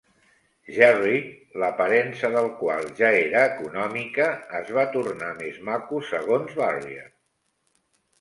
Jerry, l'aparença del qual ja era econòmica, es va tornar més maco, segons Barrier.